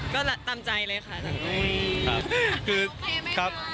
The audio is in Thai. ก็ตามใจเลยค่ะ